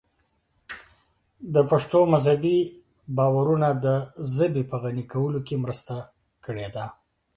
د پښتنو مذهبي باورونو د ژبې په غني کولو کې مرسته کړې ده.